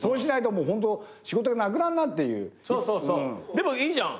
でもいいじゃん。